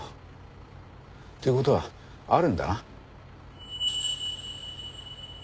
って事はあるんだな。